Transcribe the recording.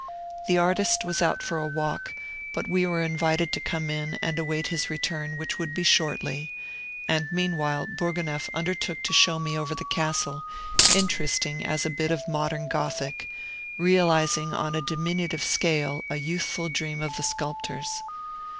The artist was out for a walk, but we were invited to come in and await his return, which would be shortly; and meanwhile Bourgonef undertook to show me over the castle, interesting as a bit of modern Gothic, realizing on a diminutive scale a youthful dream of the sculptor's.